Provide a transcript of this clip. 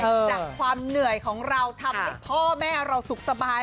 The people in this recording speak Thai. จากความเหนื่อยของเราทำให้พ่อแม่เราสุขสบาย